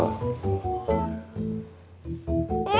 oh nanti jatuh